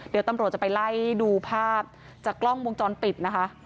เดี๋ยวตำรวจจะไปไล่ดูภาพจากกล้องวงจรปิดนะคะ